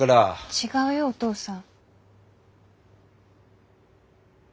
違うよお父さん。